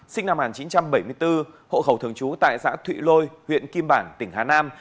sinh năm một nghìn chín trăm bảy mươi bốn hộ khẩu thường trú tại xã thụy lôi huyện kim bảng tỉnh hà nam